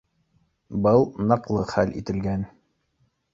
Был ныҡлы хәл ителгән